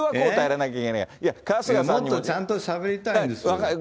いや、春日さんにも。もっとちゃんとしゃべりたいんですよ。